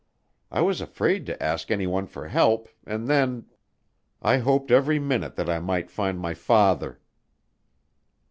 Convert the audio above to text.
I was afraid to ask anyone for help, and then I hoped every minute that I might find my father."